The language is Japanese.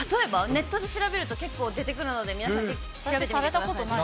ネットで調べると結構出てくるので、皆さん調べてみてください。